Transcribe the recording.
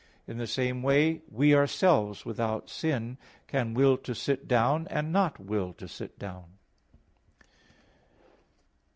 In the same way we ourselves, without sin, can will to sit down, and not will to sit down.